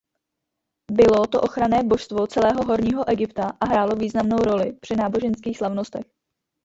Bylo to ochranné božstvo celého Horního Egypta a hrálo významnou roli při náboženských slavnostech.